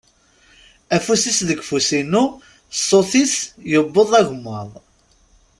Afus-is deg ufus-inu, ṣṣut-is yewweḍ agemmaḍ.